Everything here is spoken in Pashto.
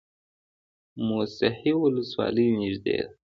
موسهي ولسوالۍ نږدې ده؟